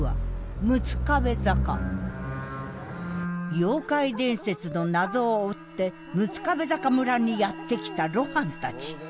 妖怪伝説の謎を追って六壁坂村にやって来た露伴たち。